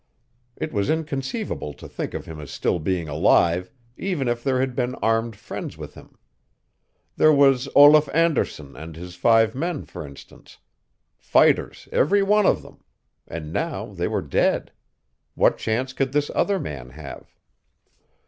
It was inconceivable to think of him as still being alive even if there had been armed friends with him. There was Olaf Anderson and his five men, for instance. Fighters every one of them. And now they were dead. What chance could this other man have?